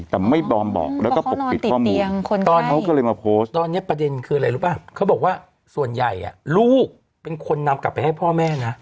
แต่ไม่บอมบอกแล้วก็ปกติข้อมูลตอนนี้ประเด็นคืออะไรรู้ป่ะเขาบอกว่าส่วนใหญ่ลูกเป็นคนนำกลับไปให้พ่อแม่นะ